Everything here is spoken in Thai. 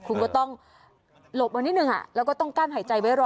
คุณก็ต้องหลบมานิดนึงแล้วก็ต้องกั้นหายใจไว้รอ